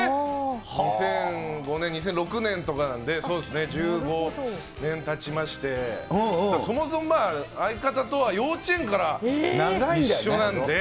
２００５年、２００６年とかなんで、そうですね、１５年たちまして、そもそも相方とは幼稚園から一緒なんで。